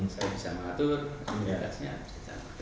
saya bisa mengatur ini berdasarkan